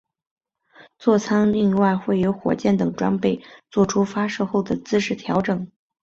坐舱另外会有火箭等装备作出发射后的姿态调整。